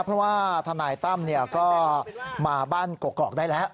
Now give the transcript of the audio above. เพราะว่าทนายตั้มก็มาบ้านกกอกได้แล้ว